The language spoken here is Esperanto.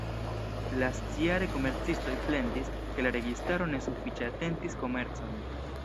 Lastjare komercistoj plendis, ke la registaro ne sufiĉe atentis komercon.